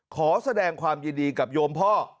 ขอแสดงความยินดีกับโยมพ่อ